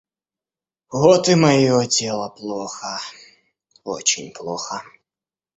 Вот и мое дело плохо, очень плохо.